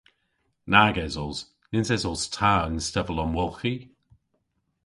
Nag esos. Nyns esos ta y'n stevel-omwolghi.